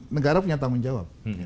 negara punya tanggung jawab